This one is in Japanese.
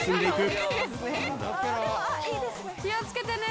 気をつけてね！